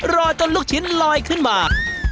รอจนลูกชิ้นลอยขึ้นมา